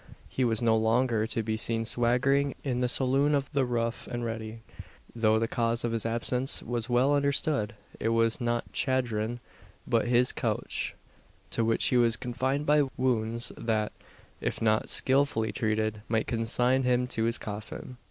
He was no longer to be seen swaggering in the saloon of the "Rough and Ready;" though the cause of his absence was well understood. It was not chagrin, but his couch; to which he was confined by wounds, that, if not skilfully treated, might consign him to his coffin.